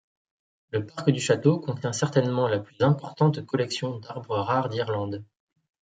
Le parc du château contient certainement la plus importante collection d'arbres rares d'Irlande.